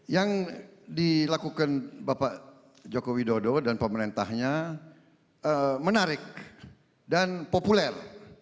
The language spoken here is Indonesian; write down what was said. yang dilakukan bapak joko widodo dan pemerintahnya menarik dan populer